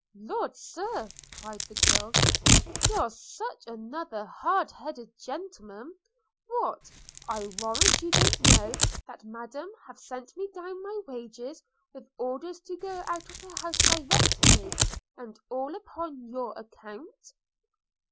'Lord, Sir,' cried the girl, 'you're such another hard hearted gentleman! – What! I warrant you don't know that Madam have sent me down my wages, with orders to go out of her house directly, and all upon your account.'